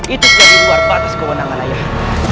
itu jadi luar batas kewenangan ayah